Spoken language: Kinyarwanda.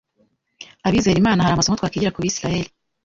abizera Imana hari amasomo twakwigira ku bisirayeli